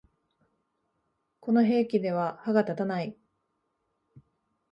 この兵器では歯が立たない